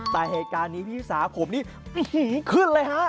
แต่เหตุการณ์นี้พี่สาผมนี่ขึ้นเลยฮะ